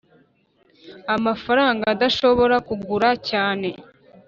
amafaranga adashobora kugura cyane